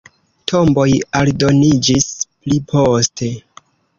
Tomboj aldoniĝis pli poste.